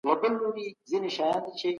ايا پوهه کولی سي ټولي ستونزي حل کړي؟